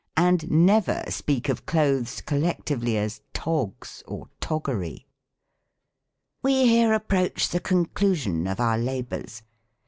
And never speak of clothes, collectively, as toggs or toggery. We here approach the conclusion of our labors.